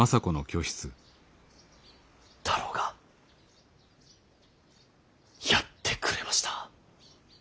太郎がやってくれました。